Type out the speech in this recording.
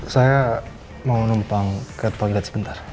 saya mau numpang ke toilet sebentar